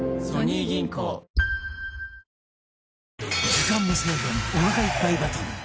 時間無制限おなかいっぱいバトル